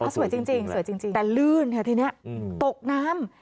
สวยจริงแต่ลื่นค่ะทีนี้ตกน้ำ